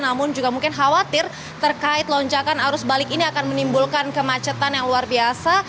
namun juga mungkin khawatir terkait lonjakan arus balik ini akan menimbulkan kemacetan yang luar biasa